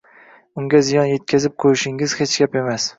unga ziyon yetkazib qo‘yishingiz hech gap emas.